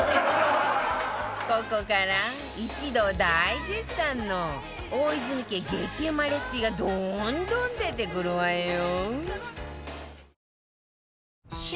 ここから一同大絶賛の大泉家激うまレシピがどんどん出てくるわよ